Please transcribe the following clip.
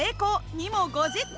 ２も２０点。